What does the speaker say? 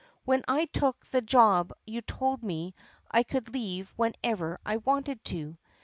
When I took the job you told me I could leave whenever I wanted to.